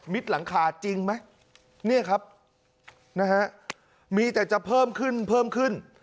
หลังคาจริงไหมเนี่ยครับนะฮะมีแต่จะเพิ่มขึ้นเพิ่มขึ้น